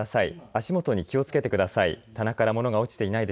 足元に気をつけてください。